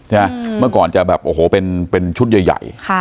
ใช่ไหมอืมเมื่อก่อนจะแบบโอ้โหเป็นเป็นชุดใหญ่ใหญ่ค่ะ